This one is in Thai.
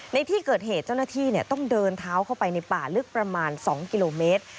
ในที่เกิดเหตุเจ้าหน้าที่ต้องเดินเท้าเข้าไปในป่าลึกประมาณ๒กิโลเมตร